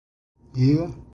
ألا طرقتنا بالمدينة بعدم